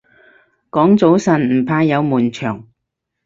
講早晨唔怕有悶場